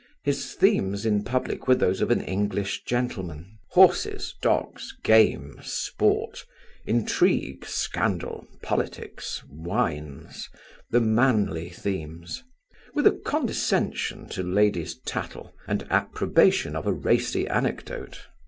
His themes in public were those of an English gentleman; horses, dogs, game, sport, intrigue, scandal, politics, wines, the manly themes; with a condescension to ladies' tattle, and approbation of a racy anecdote.